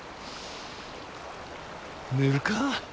寝るか。